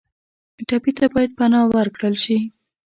ټپي ته باید پناه ورکړل شي.